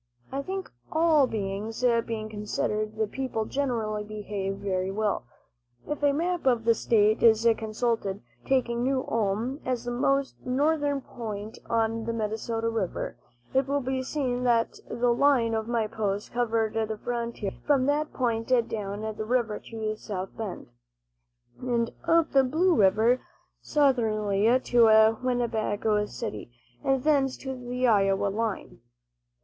I think, all things being considered, the people generally behaved very well. If a map of the state is consulted, taking New Ulm as the most northern point on the Minnesota river, it will be seen that the line of my posts covered the frontier from that point down the river to South Bend, and up the Blue Earth, southerly, to Winnebago City, and thence to the Iowa line.